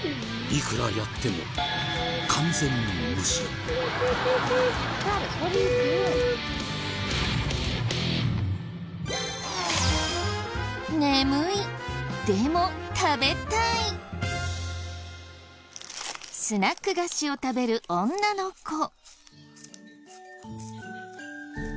いくらやってもスナック菓子を食べる女の子。